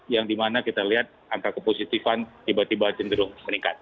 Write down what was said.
yang dimana kita lihat angka kepositifan tiba tiba cenderung meningkat